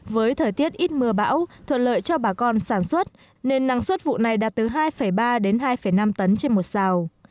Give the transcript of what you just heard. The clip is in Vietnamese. với thời tiết ít mưa bão thuận lợi cho bà con sản xuất nên năng suất vụ này đạt từ hai ba đến hai năm tấn trên một xào